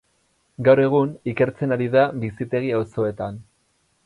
Gaur egun, ikertzen ari da bizitegi-auzoetan.